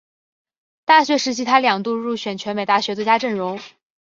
大学时期他两度入选全美大学最佳阵容。